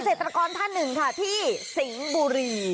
เศรษฐกรท่านหนึ่งค่ะที่สิงห์บุรี